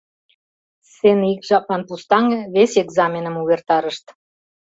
Сцене ик жаплан пустаҥе, вес экзаменым увертарышт: